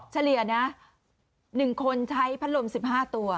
เฉลี่ยนะ๑คนใช้พัดลม๑๕ตัว